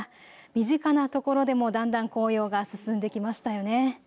身近な所でもだんだん紅葉が進んできましたよね。